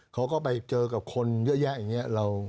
เขาก็ไปเจอกับคนเยอะแยะอย่างนี้